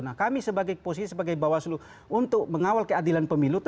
nah kami sebagai posisi sebagai bawaslu untuk mengawal keadilan pemilu tentu harus melakukan itu